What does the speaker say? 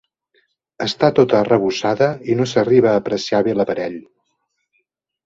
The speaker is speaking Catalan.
Està tota arrebossada, i no s'arriba a apreciar bé l'aparell.